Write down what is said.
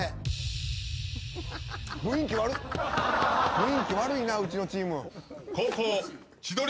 雰囲気悪いなうちのチーム。